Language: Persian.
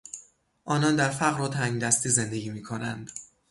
آنان در فقر و تنگدستی زندگی میکنند.